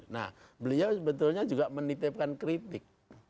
nah beliau sebetulnya juga menitipkan kritik